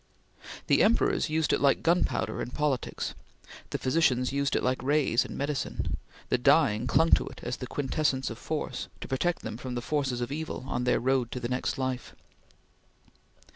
The emperors used it like gunpowder in politics; the physicians used it like rays in medicine; the dying clung to it as the quintessence of force, to protect them from the forces of evil on their road to the next life.